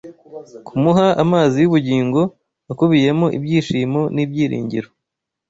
kumuha amazi y’ubugingo, akubiyemo ibyishimo n’ibyiringiro